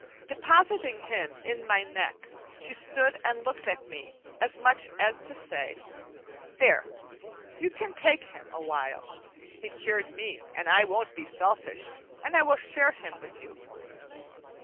Depositing him in my neck, she stood and looked at me, as much as to say: "There, you can take him awhile. He cured me and I won't be selfish; I will share him with you."